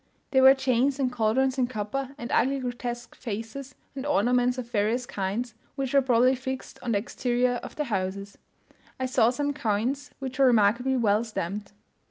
There were chains and cauldrons in copper, and ugly grotesque faces and ornaments of various kinds, which were probably fixed on the exterior of the houses. I saw some coins which were remarkably well stamped.